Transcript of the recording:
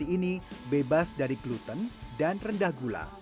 ini bebas dari gluten dan rendah gula